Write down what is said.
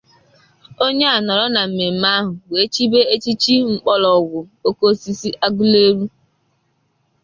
onye a nọrọ na mmemme ahụ wee chibe echichi Mkpologwu -Okosis Aguleri